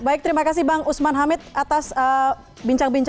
baik terima kasih bang usman hamid atas bincangnya